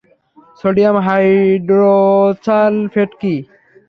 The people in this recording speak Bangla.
সোডিয়াম হাইড্রোসালফেট কি?